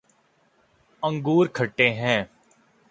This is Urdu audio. انگور کھٹے ہیں